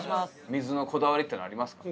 水のこだわりっていうのはありますか？